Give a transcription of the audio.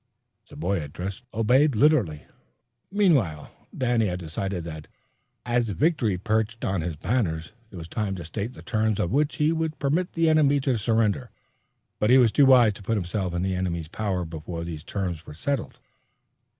The boy addressed obeyed literally. Meanwhile Danny had decided that, as victory perched on his banners, it was time to state the terms on which he would permit the enemy to surrender, but he was too wise to put himself in the enemy's power before these terms were settled.